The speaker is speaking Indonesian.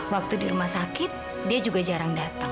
waktu di rumah sakit dia juga jarang datang